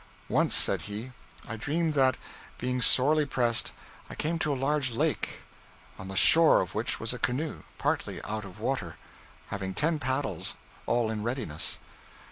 'Once,' said he, 'I dreamed that, being sorely pressed, I came to a large lake, on the shore of which was a canoe, partly out of water, having ten paddles all in readiness.